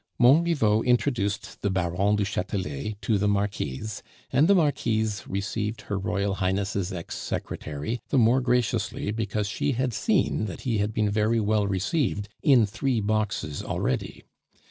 Montriveau introduced the Baron du Chatelet to the Marquise, and the Marquise received Her Royal Highness' ex secretary the more graciously because she had seen that he had been very well received in three boxes already.